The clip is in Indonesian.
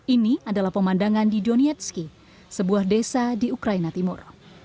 ini adalah pemandangan di donetski sebuah desa di ukraina timur